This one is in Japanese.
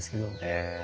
へえ。